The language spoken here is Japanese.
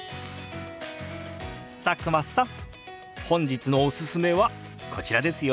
佐久間さん本日のおすすめはこちらですよ。